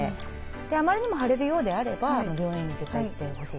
あまりにも腫れるようであれば病院に絶対行ってほしいなと。